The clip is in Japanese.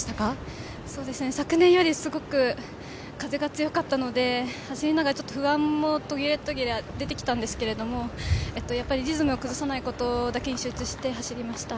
昨年よりすごく風が強かったので走りながら不安も途切れ途切れ出てきたんですけど、リズムを崩さないことだけに集中して走りました。